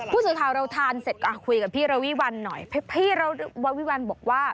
ผู้สื่อข่าวเราทานเสร็จก็คุยกับพี่ระวิวัลหน่อยพี่วาวิวัลบอกว่า